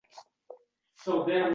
Ketdi Sino omad izlab